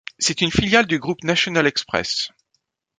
C'est une filiale du groupe National Express.